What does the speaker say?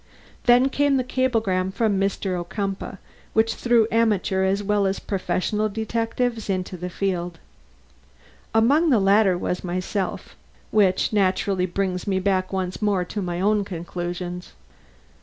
Then came the cablegram from Mr. Ocumpaugh, which threw amateur as well as professional detectives into the field. Among the latter was myself; which naturally brings me back once more to my own conclusions.